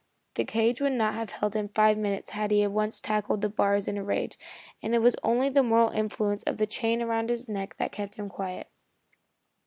The cage would not have held him five minutes had he once tackled the bars in a rage, and it was only the moral influence of the chain around his neck that kept him quiet.